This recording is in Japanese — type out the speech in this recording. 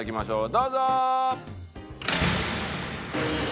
どうぞ！